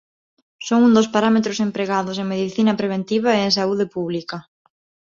Son un dos parámetros empregados en Medicina preventiva e en Saúde pública.